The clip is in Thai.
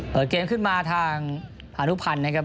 เปิดเกมส์ขึ้นมาทางพานุภัณฑ์ครับ